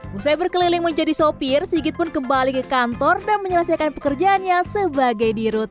setelah berkeliling menjadi sopir sigit pun kembali ke kantor dan menyelesaikan pekerjaannya sebagai dirut